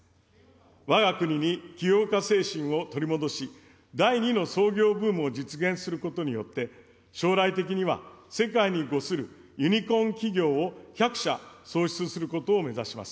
わが国に起業家精神を取り戻し、第２の創業ブームを実現することによって、将来的には世界にごするユニコーン企業を１００社創出することを目指します。